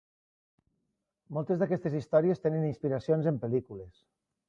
Moltes d'aquestes històries tenen inspiracions en pel·lícules.